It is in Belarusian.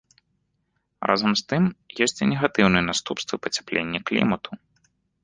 Разам з тым, ёсць і негатыўныя наступствы пацяплення клімату.